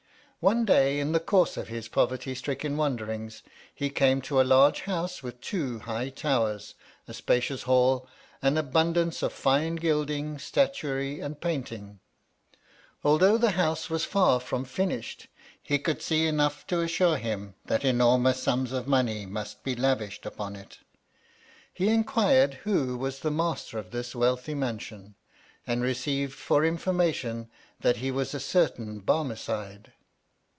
One day in the course of his poverty stricken wanderings, he came to a large house with two high towers, a spacious hall, and abundance of fine gilding, statuary, and painting. Although the house was far from finished, he could see enough to assure him that enormous sums of money must be lavished upon it. He inquired who was the master of this wealthy mansion, and received for information that he was a certain Bar mecide.